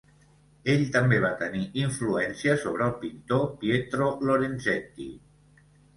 Ell també va tenir influència sobre el pintor Pietro Lorenzetti.